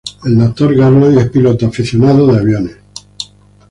El Dr. Garland es piloto y aficionado de aviones.